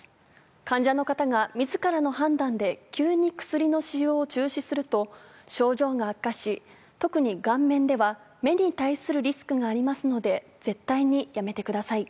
患者の方がみずからの判断で急に薬の使用を中止すると、症状が悪化し、特に顔面では目に対するリスクがありますので、絶対にやめてください。